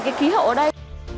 cái khí hậu ở đây